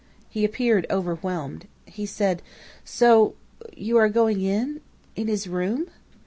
"He appeared overwhelmed. He said: "'So you are going in in his room?'